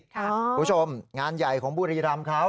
คุณผู้ชมงานใหญ่ของบุรีรำเขา